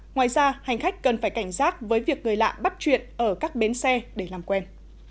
ngoài ra hành khách cần phải cảnh giác với việc người lạ bắt chuyện ở các bến xe để làm quen